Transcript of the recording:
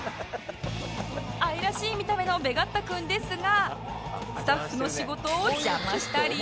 愛らしい見た目のベガッ太くんですがスタッフの仕事を邪魔したり